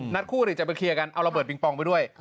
นัดคู่หรี่จะไปเคลียร์กันเอาระเบิร์ตบิงปองไปด้วย